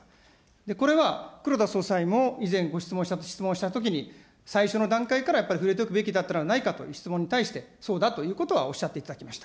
これは、黒田総裁も以前、ご質問したときに最初の段階からやっぱり触れておくべきだったのではないかという質問に対して、そうだということは、おっしゃっていただきました。